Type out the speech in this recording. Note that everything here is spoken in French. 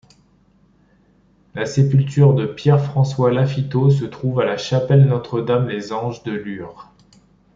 La sépulture de Pierre-François Lafitau se trouve à la Chapelle Notre-Dame-des-Anges de Lurs.